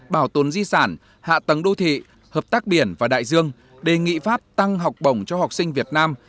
bảo tồn di sản hạ tầng đô thị hợp tác biển và đại dương đề nghị pháp tăng học bổng cho học sinh việt nam